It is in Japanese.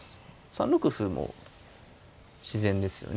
３六歩も自然ですよね。